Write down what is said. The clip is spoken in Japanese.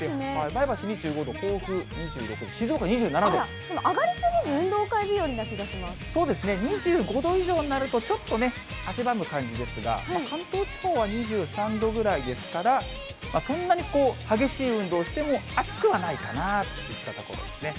前橋２５度、甲府２６度、上がり過ぎず、そうですね、２５度以上になるとちょっとね、汗ばむ感じですが、関東地方は２３度ぐらいですから、そんなに激しい運動しても、暑くはないかなといったところですね。